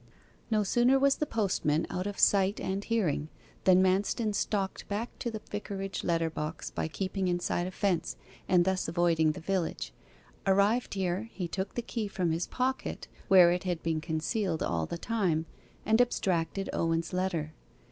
No sooner was the postman out of sight and hearing than Manston stalked back to the vicarage letter box by keeping inside a fence, and thus avoiding the village; arrived here, he took the key from his pocket, where it had been concealed all the time, and abstracted Owen's letter.